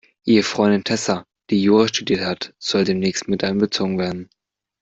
Ihre Freundin Tessa, die Jura studiert hat, soll demnächst miteinbezogen werden.